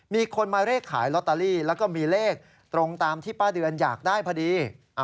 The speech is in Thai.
มีคนมาเลขขายลอตเตอรี่แล้วก็มีเลขตรงตามที่ป้าเดือนอยากได้พอดี